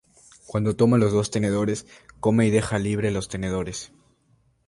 Cuando toma los dos tenedores, come y deja libre los tenedores.